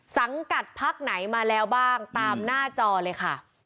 สังกัดพักไหนมาแล้วบ้างตามหน้าจอเลยค่ะ